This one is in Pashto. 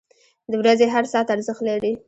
• د ورځې هر ساعت ارزښت لري.